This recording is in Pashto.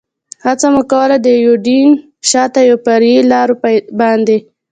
هڅه مو کول، د یوډین شاته پر فرعي لارو باندې.